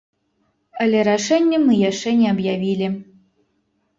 Але рашэнне мы яшчэ не аб'явілі.